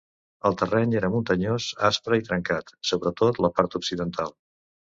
El terreny era muntanyós, aspre i trencat, sobretot la part occidental.